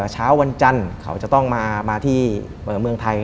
เช้าวันจันทร์เขาจะต้องมาที่เมืองไทย